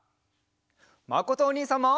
まことおにいさんも！